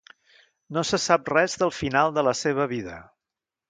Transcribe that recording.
No se sap res del final de la seva vida.